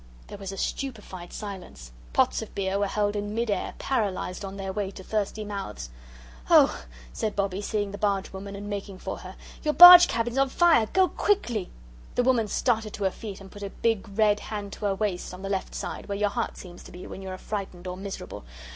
There was a stupefied silence. Pots of beer were held in mid air, paralysed on their way to thirsty mouths. "Oh," said Bobbie, seeing the bargewoman and making for her. "Your barge cabin's on fire. Go quickly." The woman started to her feet, and put a big red hand to her waist, on the left side, where your heart seems to be when you are frightened or miserable.